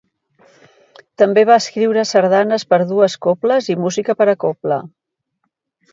També va escriure sardanes per a dues cobles i música per a cobla.